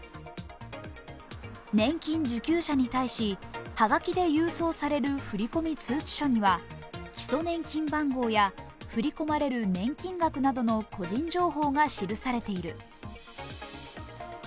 年金受給者に対し、はがきで郵送される振込通知書には基礎年金番号や振り込まれる金年額などの個人情報などが記されている。